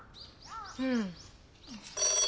うん。